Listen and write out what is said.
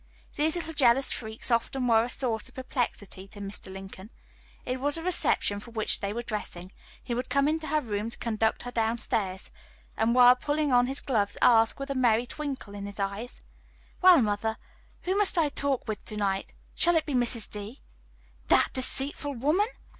These little jealous freaks often were a source of perplexity to Mr. Lincoln. If it was a reception for which they were dressing, he would come into her room to conduct her downstairs, and while pulling on his gloves ask, with a merry twinkle in his eyes: "Well, mother, who must I talk with to night shall it be Mrs. D.?" "That deceitful woman!